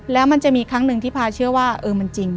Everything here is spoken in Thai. แล้วมันจะมีครั้งหนึ่งที่พาเชื่อว่าเออมันจริง